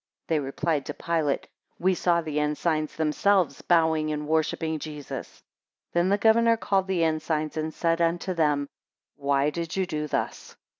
23 They replied to Pilate, We saw the ensigns themselves bowing and worshipping Jesus. 24 Then the governor called the ensigns, and said unto them, Why did you do thus?